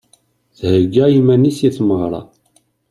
Thegga iman-is i tmeɣra.